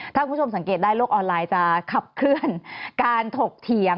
ถ้าคุณผู้ชมสังเกตได้โลกออนไลน์จะขับเคลื่อนการถกเถียง